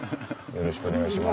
よろしくお願いします。